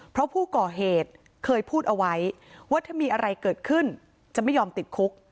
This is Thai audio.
เพราะผู้ก่อเหตุเคยพูดเอาไว้ว่าถ้ามีอะไรเกิดขึ้นจะไม่ยอมติดคุก